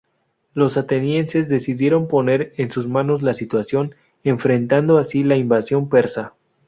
Los atenienses decidieron poner en sus manos la situación, enfrentando así la invasión persa.